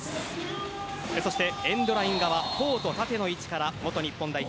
エンドライン側コート縦の位置から元日本代表